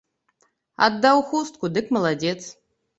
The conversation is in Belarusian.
Аддаў хустку, дык маладзец!